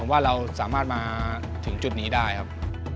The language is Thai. ว่าเราสามารถมาถึงจุดนี้ได้ครับ